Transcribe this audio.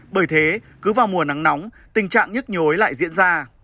bởi thế cứ vào mùa nắng nóng tình trạng nhức nhối lại diễn ra